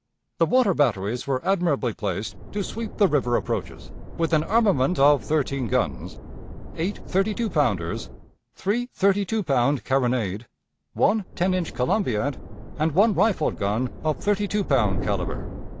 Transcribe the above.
The water batteries were admirably placed to sweep the river approaches, with an armament of thirteen guns; eight thirty two pounders, three thirty two pound carronade, one ten inch columbiad, and one rifled gun of thirty two pound caliber.